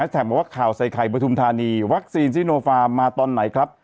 แถมบอกว่าข่าวใส่ไข่ปฐุมธานีวัคซีนซิโนฟาร์มาตอนไหนครับ